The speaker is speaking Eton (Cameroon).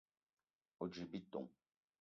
O: djip bitong.